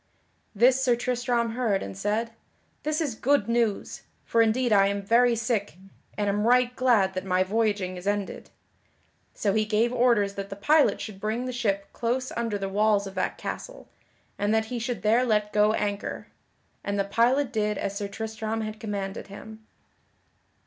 This Sir Tristram heard and said: "This is good news, for indeed I am very sick and am right glad that my voyaging is ended." So he gave orders that the pilot should bring the ship close under the walls of that castle, and that he should there let go anchor; and the pilot did as Sir Tristram had commanded him.